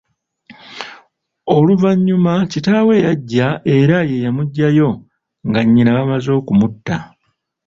Oluvanyuma kitaawe yajja era yeeyamuggyayo nga nnyina bamaze okumutta.